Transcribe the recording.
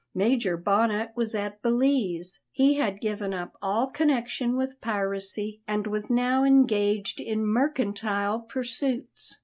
Major Bonnet was at Belize. He had given up all connection with piracy and was now engaged in mercantile pursuits.